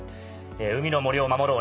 「海の森を守ろう！